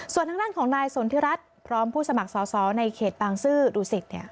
ส่วนทั้งของนายสนธิรัตน์พร้อมผู้สมัครซ้อในเขตบางซื่อดูสิตเนี่ย